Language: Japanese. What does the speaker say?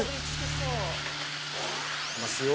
いきますよ。